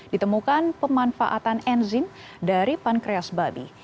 ditemukan pemanfaatan enzim dari pankreas babi